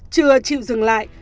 chừa chịu dừng lại